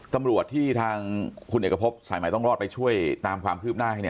ตำรวจที่ทางคุณเอกพบสายใหม่ต้องรอดไปช่วยตามความคืบหน้าให้